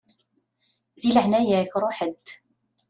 Di leɛnaya-k ṛuḥ-d.